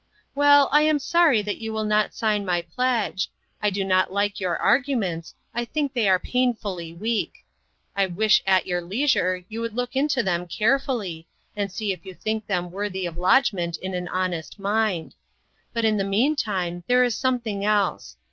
" Well, I am sorry that you will not sign my pledge. I do not like your arguments ; I think they are painfully weak. I wish at your leisure you would look into them care fully, and see if you think them worthy of lodgment in an honest mind. But in the meantime, there is something else.